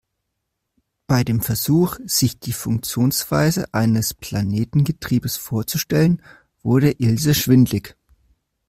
Bei dem Versuch, sich die Funktionsweise eines Planetengetriebes vorzustellen, wurde Ilse schwindelig.